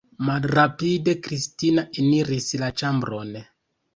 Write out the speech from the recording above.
Malrapide Kristina eniris la ĉambron.